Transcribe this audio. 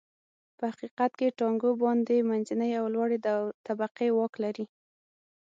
په حقیقت کې ټاکنو باندې منځنۍ او لوړې طبقې واک لري.